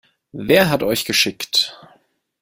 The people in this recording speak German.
Wer hat euch geschickt?